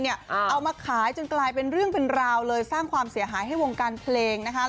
เอามาขายจนกลายเป็นเรื่องเป็นราวเลยสร้างความเสียหายให้วงการเพลงนะคะ